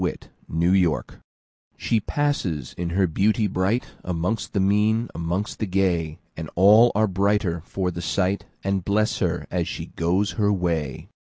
1840 The Secret SHE passes in her beauty brightAmongst the mean, amongst the gay, And all are brighter for the sight, And bless her as she goes her way.